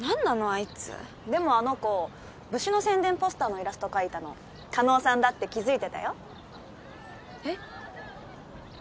あいつでもあの子部誌の宣伝ポスターのイラスト描いたの叶さんだって気づいてたよえっ？